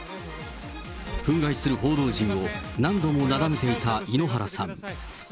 憤慨する報道陣を何度もなだめていた井ノ原さん。